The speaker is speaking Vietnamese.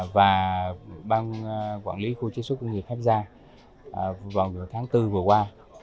và bang quản lý khu chế sức công nghiệp phép giang vào tháng bốn vừa qua